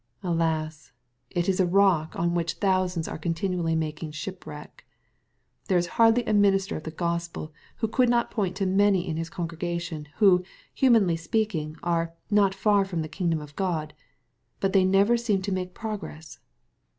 Alas ! it is a rock on which thousands are continually making shipwreck. There is hardly a minister of the Gospel who could not point to many in his congregation, who, humanly speaking, are " not far from the kingdom of God." But they never seem to make progress.